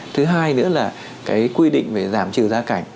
thứ hai nữa là cái quy định về giảm trừ gia cảnh